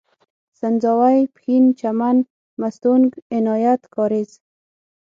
سنځاوۍ، پښين، چمن، مستونگ، عنايت کارېز